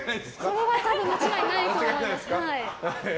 それは間違いないと思います。